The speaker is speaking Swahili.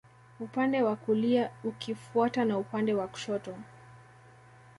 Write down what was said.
Upande wa kulia ukifuatwa na upande wa kushoto